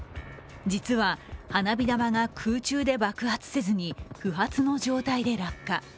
実は、花火玉が空中で爆発せずに不発の状態で落下。